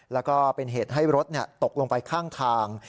แล้วก็เป็นเหตุให้รถตกลงไปข้างทาง